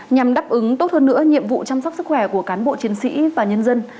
nhằm đáp ứng tốt hơn nữa nhiệm vụ chăm sóc sức khỏe của cán bộ chiến sĩ và nhân dân